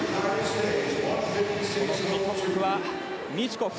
この組トップはミチュコフ。